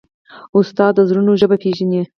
استاد د زړونو ژبه پېژني.